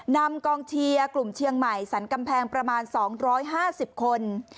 นำกองเชียร์กลุ่มเชียงใหม่สรรกำแพงประมาณ๒๕๐คน